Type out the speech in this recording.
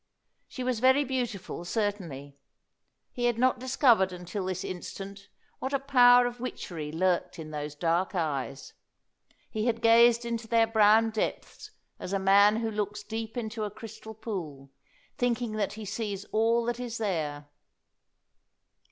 She was very beautiful, certainly; he had not discovered until this instant what a power of witchery lurked in those dark eyes. He had gazed into their brown depths as a man who looks deep into a crystal pool, thinking that he sees all that is there.